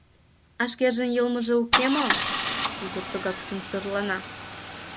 — А шкежын йылмыже уке мо? — ӱдыр тугак сӱмсырлана.